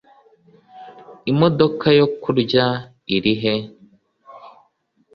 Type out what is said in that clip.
imodoka yo kurya irihe